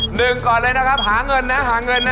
หนึ่งก่อนเลยนะครับหาเงินนะหาเงินนะ